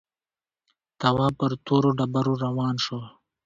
تواب پر تورو ډبرو روان شو.